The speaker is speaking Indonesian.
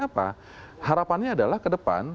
apa harapannya adalah ke depan